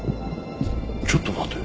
ちょっと待て。